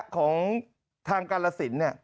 ของทางกาลสินเนี่ย